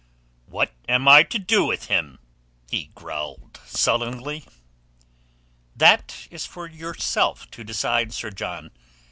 "What am I do with him?" he growled sullenly. "That is for yourself to decide, Sir John.